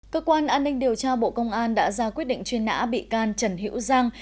cơ quan an ninh điều tra bộ công an đã ra quyết định truy nã bị can trần hữu giang